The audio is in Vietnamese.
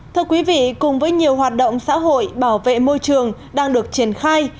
thưa quý vị cùng với nhiều hoạt động xã hội bảo vệ môi trường đang được triển khai